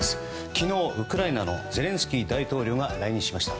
昨日、ウクライナのゼレンスキー大統領が来日しました。